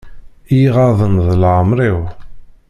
I y-iɣaḍen d leɛmer-iw.